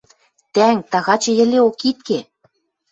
Тӓнг, тагачы йӹлеок ит ке...